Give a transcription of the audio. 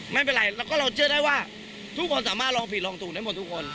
ไม่เม้นลัยแล้วก็ทุกคนจะรองผิดรองสู่ได้หมดด้านทุกคน